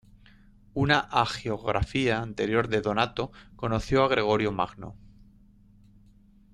Una hagiografía anterior de Donato conoció a Gregorio Magno.